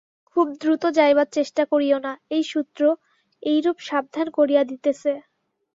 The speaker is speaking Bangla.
খুব দ্রুত যাইবার চেষ্টা করিও না, এই সূত্র এইরূপ সাবধান করিয়া দিতেছে।